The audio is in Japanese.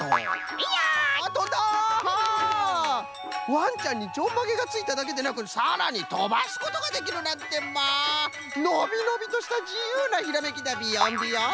わんちゃんにちょんまげがついただけでなくさらにとばすことができるなんてまあのびのびとしたじゆうなひらめきだビヨンビヨン！